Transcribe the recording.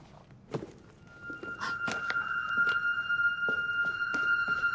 あっ。